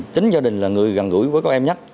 chính gia đình là người gần gũi với con em nhất